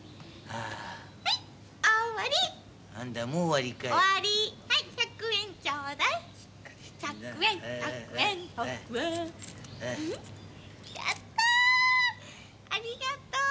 ありがとう。